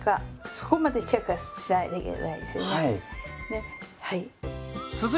そこまでチェックしないといけないですね。